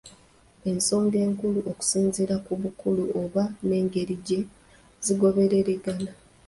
Ensonga enkulu okusinziira ku bukulu oba n'engeri gye zigoberegana.